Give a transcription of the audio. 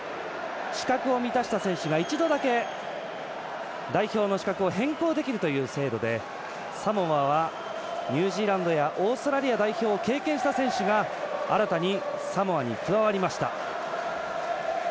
資格を満たした選手が一度だけ代表の資格を変更できるという制度でサモアはニュージーランドやオーストラリア代表を経験した選手が新たにサモアに加わりました。